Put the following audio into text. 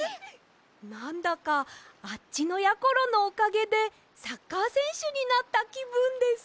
なんだかあっちのやころのおかげでサッカーせんしゅになったきぶんです。